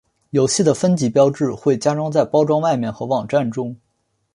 游戏的分级标志会加在包装外面和网站中。